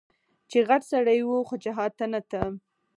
چې غټ سړى و خو جهاد ته نه ته.